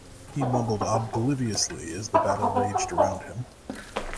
He mumbled obliviously as the battle raged around him.